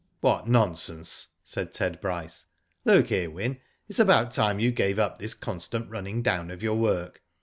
'* What nonsense," said Ted Bryce. '* Look here, Wyn, it's about time you gave up this con stant running down of your work.